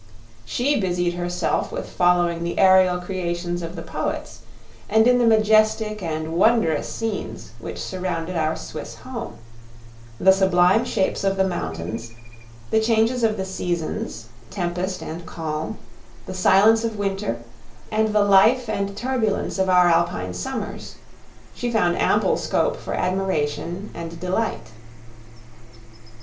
She busied herself with following the aerial creations of the poets; and in the majestic and wondrous scenes which surrounded our Swiss home —the sublime shapes of the mountains, the changes of the seasons, tempest and calm, the silence of winter, and the life and turbulence of our Alpine summers—she found ample scope for admiration and delight.